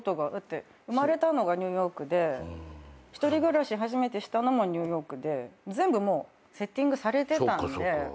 生まれたのがニューヨークで一人暮らし初めてしたのもニューヨークで全部もうセッティングされてたんで。